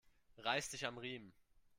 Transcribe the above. Reiß dich am Riemen!